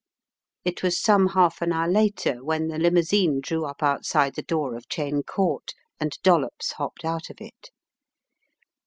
It was some half an hour later when the limousine drew up outside the door of Cheyne Court, and Dol lops hopped out of it.